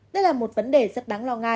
đây là một vấn đề rất đáng lo ngại